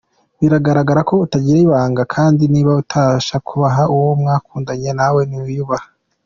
Bigaragaza ko utagira ibanga kandi niba utabasha kubaha uwo mwakundanye nawe ntiwiyubaha.